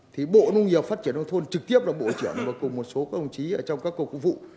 thì bộ nông nghiệp phát triển nông thôn trực tiếp là bộ trưởng và cùng một số công chí trong các cuộc vụ